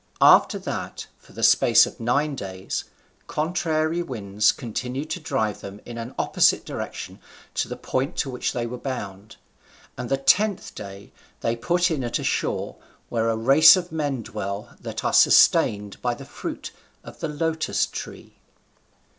After that, for the space of nine days, contrary winds continued to drive them in an opposite direction to the point to which they were bound, and the tenth day they put in at a shore where a race of men dwell that are sustained by the fruit of the lotos tree.